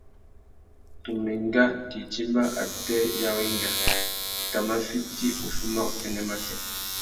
Tu mà enga tu idjima atê ya wenga, tu tà mà fiti uffuma utênê matê.